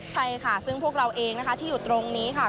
ใช่ค่ะซึ่งพวกเราเองนะคะที่อยู่ตรงนี้ค่ะ